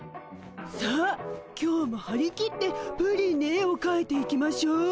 さあ今日もはり切ってプリンに絵をかいていきましょう。